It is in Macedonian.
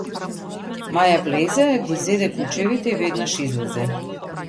Маја влезе ги зеде клучевите и веднаш излезе.